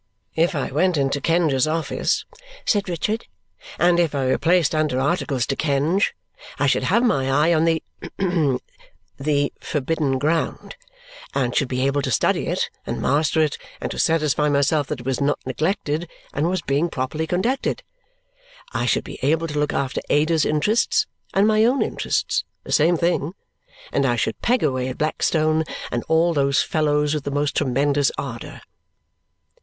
"If I went into Kenge's office," said Richard, "and if I were placed under articles to Kenge, I should have my eye on the hum! the forbidden ground and should be able to study it, and master it, and to satisfy myself that it was not neglected and was being properly conducted. I should be able to look after Ada's interests and my own interests (the same thing!); and I should peg away at Blackstone and all those fellows with the most tremendous ardour."